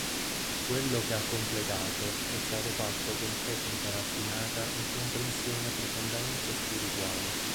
Quello che ha completato è stato fatto con tecnica raffinata e comprensione profondamente spirituale”.